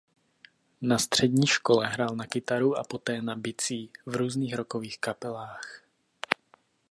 Na střední škole hrál na kytaru a poté na bicí v různých rockových kapelách.